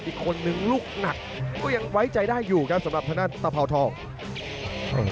อีกคนนึงลูกหนักก็ยังไว้ใจได้อยู่ครับสำหรับทางด้านตะเผาทอง